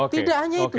tidak hanya itu